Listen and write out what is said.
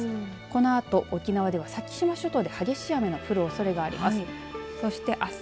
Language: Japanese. このあと、沖縄では先島諸島で激しい雨の降るおそれがあります。